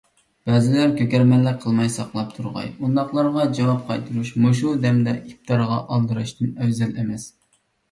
بەزىلەر كۆكەرمىلىك قىلماي ساقلاپ تۇرغاي. ئۇنداقلارغا جاۋاب قايتۇرۇش مۇشۇ دەمدە ئىپتارغا ئالدىراشتىن ئەۋزەل ئەمەس.